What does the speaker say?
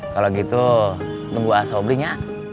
kalau gitu nunggu asobri nya